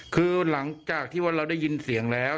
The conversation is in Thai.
คือหลังจากที่ว่าเราได้ยินเสียงแล้ว